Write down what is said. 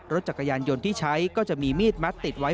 รถจักรยานยนต์ที่ใช้ก็จะมีมีดมัดติดไว้